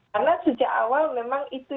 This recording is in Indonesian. karena sejak awal memang itu